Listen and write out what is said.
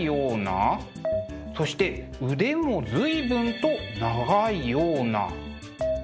そして腕も随分と長いような。